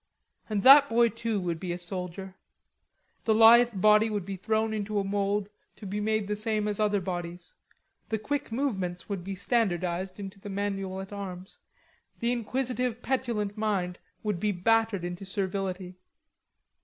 And that boy, too, would be a soldier; the lithe body would be thrown into a mould to be made the same as other bodies, the quick movements would be standardized into the manual at arms, the inquisitive, petulant mind would be battered into servility.